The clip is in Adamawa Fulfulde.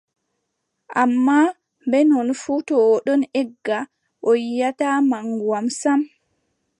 Ammaa, bee non fuu, to o ɗon egga, o yiʼataa maŋgu am sam,